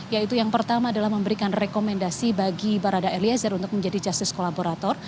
yaitu yang pertama adalah memberikan rekomendasi bagi barada eliezer untuk menjadi justice kolaborator